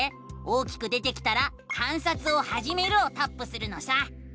大きく出てきたら「観察をはじめる」をタップするのさ！